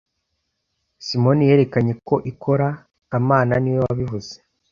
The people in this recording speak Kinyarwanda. Simoni yerekanye ko ikora kamana niwe wabivuze